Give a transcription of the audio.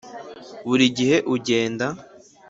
buri gihe ugenda.